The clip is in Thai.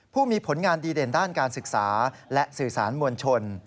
ผู้มีผลงานดีเด่นด้านการศึกษาและสื่อสารมวลชน